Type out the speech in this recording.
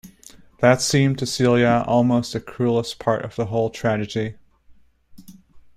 That seemed to Celia almost the cruellest part of the whole tragedy.